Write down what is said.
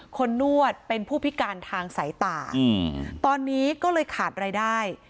นวดเป็นผู้พิการทางสายตาตอนนี้ก็เลยขาดรายได้